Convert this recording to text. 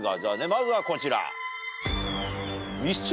まずはこちら。